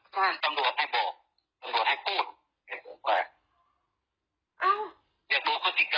มันสับค้ารอง